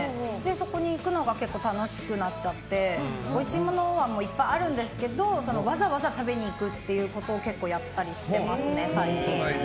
そこに行くのが結構楽しくなっちゃっておいしいものもいっぱいあるんですけどわざわざ食べに行くということをやったりしてますね、最近。